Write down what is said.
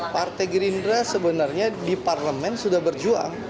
partai gerindra sebenarnya di parlemen sudah berjuang